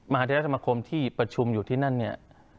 มหาเทศมคมที่ประชุมอยู่ที่นั่นเนี่ย